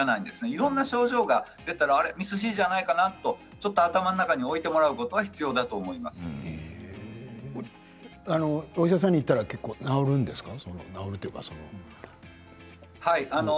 いろいろな症状でＭＩＳ−Ｃじゃないかなと、ちょっと頭の中においてもらうことはお医者さんに行ったら治るんですか。